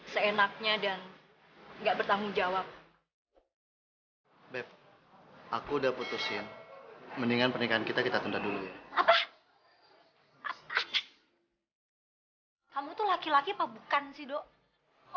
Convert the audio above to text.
sebenarnya mau kamu apa sih